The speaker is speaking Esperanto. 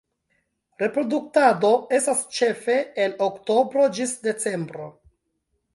Reproduktado estas ĉefe el Oktobro ĝis Decembro.